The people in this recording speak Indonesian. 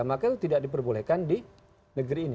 maka itu tidak diperbolehkan di negeri ini